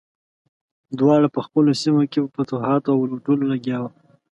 دواړه په خپلو سیمو کې په فتوحاتو او لوټلو لګیا وو.